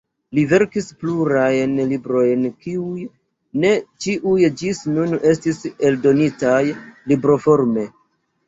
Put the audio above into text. Li verkis plurajn librojn kiuj ne ĉiuj ĝis nun estis eldonitaj libroforme.